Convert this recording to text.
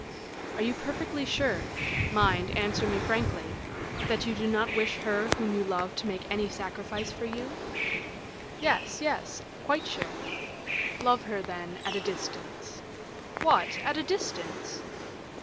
"Are you perfectly sure mind, answer me frankly that you do not wish her whom you love to make any sacrifice for you?" "Yes, yes; quite sure." "Love her, then, at a distance." "What! at a distance?"